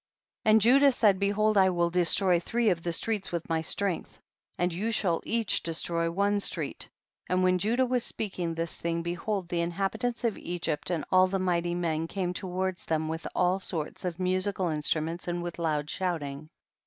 38. And Judah said, behold, I will destroy three of the streets with my strength, and you shall each destroy one street ; and when Judah was speaking this thing, behold the inha bitants of Egypt and all the mighty men came toward them with all sorts of musical instruments and with loud shouting.